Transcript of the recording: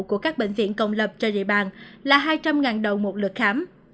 của các bệnh viện công lập trên địa bàn là hai trăm linh đồng một lượt khám